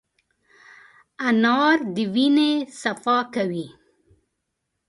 انار د وینې صفا کوي.